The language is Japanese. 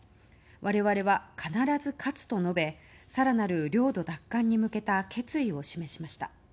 我々は必ず勝つと述べ更なる領土奪還に向けた決意を示しました。